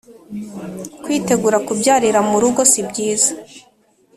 kwitegura kubyarira mu rugo sibyiza